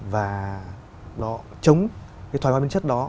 và đó chống cái thói hoa biến chất đó